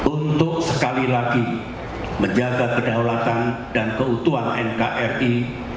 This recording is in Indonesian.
untuk sekali lagi menjaga kedaulatan dan keutuhan nkri